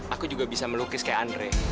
aku juga bisa melukis kayak andre